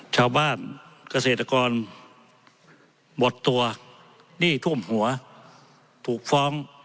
ชาวบ้านเกษตรกรหมดตัวหนี้ทุ่มหัวถูกฟ้อง